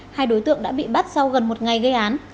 hai đối tượng đã bị bắt sau gần một ngày gây án